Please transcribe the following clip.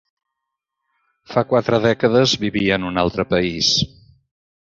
Fa quatre dècades vivia en un altre país.